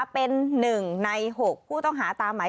เป็นหนึ่งในหกผู้ต้องหาตามหมาย